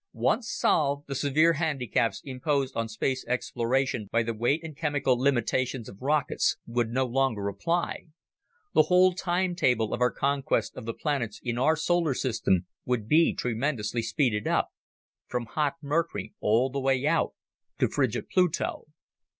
Once solved, the severe handicaps imposed on space exploration by the weight and chemical limitations of rockets would no longer apply. The whole timetable of our conquest of the planets in our solar system would be tremendously speeded up, from hot Mercury all the way out to frigid Pluto.